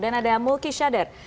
dan ada moki shader